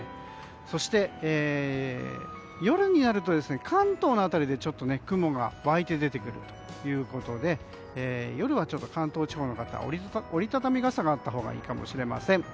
そして、夜になると関東の辺りでちょっと雲が湧いて出てくるということで夜はちょっと関東地方の方は折り畳み傘があったほうがいいかもしれません。